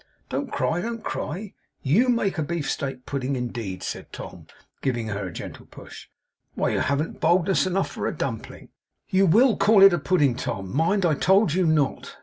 Don't cry, don't cry. YOU make a beef steak pudding, indeed!' said Tom, giving her a gentle push. 'Why, you haven't boldness enough for a dumpling!' 'You WILL call it a pudding, Tom. Mind! I told you not!